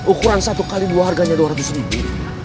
ukuran satu kali keluarganya dua ratus ribu